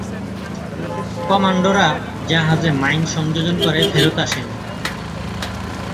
কমান্ডোরা জাহাজে মাইন সংযোজন করে ফেরত আসেন।